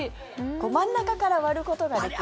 真ん中から割ることができると。